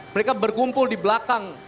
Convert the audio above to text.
mereka berkumpul di belakang